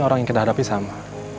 orang yang kita hadapi sama